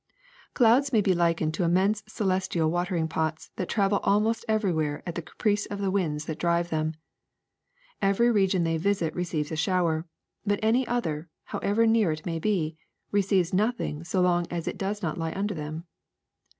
Clouds may be likened to immense celestial wa tering pots that travel almost everywhere at the caprice of the winds that drive them. Every region they visit receives a shower ; but any other, however near it may be, receives nothing so long as it does not lie under them.